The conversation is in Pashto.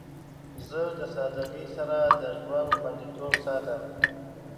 زه د سادگی سره د ژوند خوندیتوب ساتم.